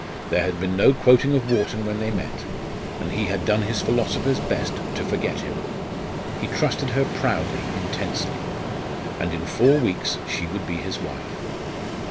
There had been no quoting of Wharton when they met; and he had done his philosopher's best to forget him. He trusted her proudly, intensely; and in four weeks she would be his wife.